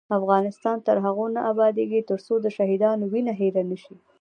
افغانستان تر هغو نه ابادیږي، ترڅو د شهیدانو وینه هیره نشي.